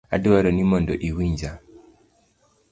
Adwaro ni mondo iwinja.